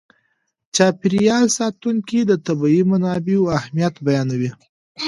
چاپېر یال ساتونکي د طبیعي منابعو اهمیت بیانوي.